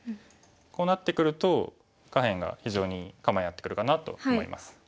こうなってくると下辺が非常にいい構えになってくるかなと思います。